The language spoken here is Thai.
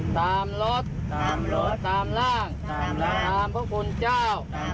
ตามรถตามร่างตามพระขุนเจ้า